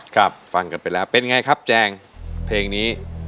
ฟังกันไปแล้วเป็นไงครับแจงเพลงนี้